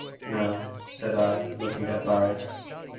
" No," said I, looking at Barris.